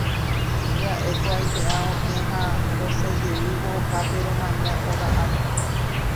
Pya'éko aipe'a okẽ ha rosẽjeývo okápe romaña óga ári.